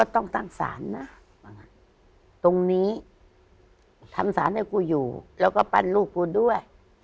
ตรงนี้ทำสารให้กูอยู่แล้วก็ปั้นลูกกูด้วย